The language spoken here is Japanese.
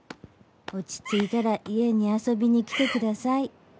落ち着いたら家に遊びに来てください」。